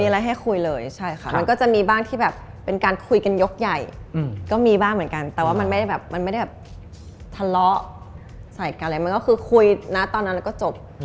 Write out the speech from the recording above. อะไรให้คุยเลยใช่ค่ะมันก็จะมีบ้างที่แบบเป็นการคุยกันยกใหญ่ก็มีบ้างเหมือนกันแต่ว่ามันไม่ได้แบบมันไม่ได้แบบทะเลาะใส่กันอะไรมันก็คือคุยนะตอนนั้นแล้วก็จบ